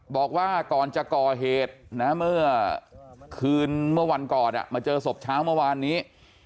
บอกว่าก่อนจะก่อเหตุนะเมื่อคืนเมื่อวันก่อนมาเจอศพเช้าเมื่อวานนี้